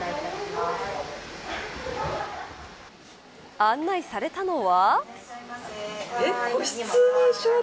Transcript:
案内されたのは。